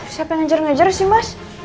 siapa yang ngejar ngejar sih mas